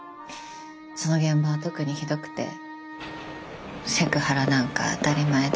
その現場は特にひどくてセクハラなんか当たり前で。